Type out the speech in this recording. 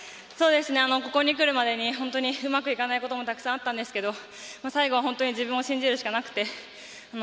ここに来るまでに本当にうまくいかないこともたくさんあったんですけど最後は本当に自分を信じるしかなくて。